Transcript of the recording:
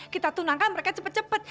kita tunangkan mereka cepet cepet